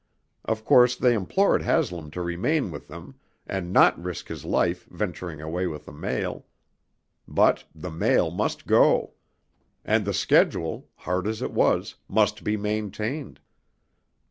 Of course they implored Haslam to remain with them and not risk his life venturing away with the mail. But the mail must go; and the schedule, hard as it was, must be maintained.